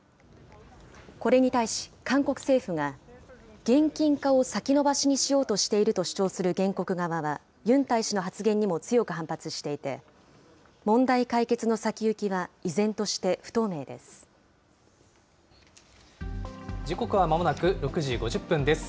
これに対し、韓国政府が現金化を先延ばしにしようとしていると主張する原告側は、ユン大使の発言にも強く反発していて、問題解決の先行きは依時刻はまもなく６時５０分です。